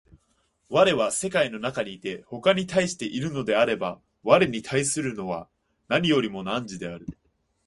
我は世界の中にいて他に対しているのであるが、我に対するものは何よりも汝である。